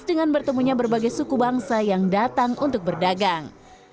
dengan bertemunya berbagai suku bangsa yang datang untuk berdagang